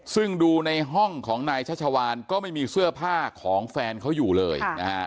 ซึ่งดูในห้องของนายชัชวานก็ไม่มีเสื้อผ้าของแฟนเขาอยู่เลยนะฮะ